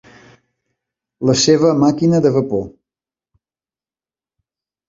La seva màquina de vapor.